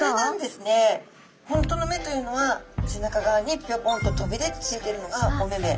本当の目というのは背中側にぴょこんと飛び出てついてるのがお目々。